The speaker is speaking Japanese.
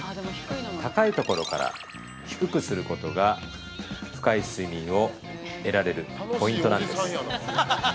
高いところから低くすることが深い睡眠を得られるポイントなんです。